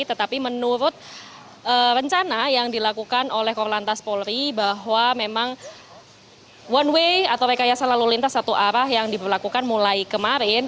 tetapi menurut rencana yang dilakukan oleh korlantas polri bahwa memang one way atau rekayasa lalu lintas satu arah yang diberlakukan mulai kemarin